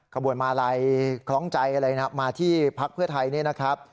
ขบวนมาลัยคล้องใจอะไรนะมาที่พักเพื่อไทยนี่นะครับ